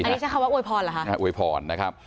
อันนี้คือเอาว่าอวยพรหรือคะ